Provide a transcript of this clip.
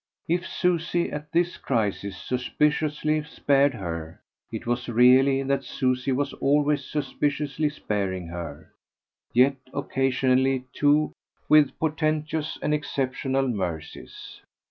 If Susie at this crisis suspiciously spared her, it was really that Susie was always suspiciously sparing her yet occasionally too with portentous and exceptional mercies.